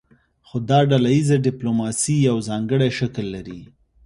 خو دا ډله ایزه ډیپلوماسي یو ځانګړی شکل لري